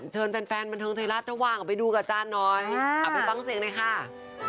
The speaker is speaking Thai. เชิญแฟนบันเทิงไทยรัฐระหว่างไปดูกับอาจารย์น้อยเอาไปฟังเสียงหน่อยค่ะ